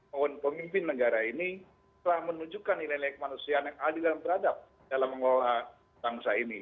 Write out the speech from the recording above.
mohon pemimpin negara ini telah menunjukkan nilai nilai kemanusiaan yang adil dan beradab dalam mengelola bangsa ini